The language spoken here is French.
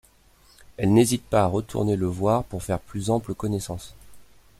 Elle n'hésite pas à retourner le voir pour faire plus ample connaissance.